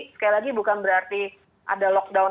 sekali lagi bukan berarti ada lockdown